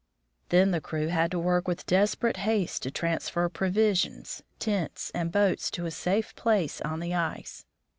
Then the crew had to work with desperate haste to transfer provisions, tents, and boats to a safe place on the ice.